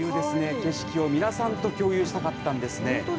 景色を皆さんと共有したかったんですね。